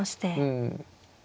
うん。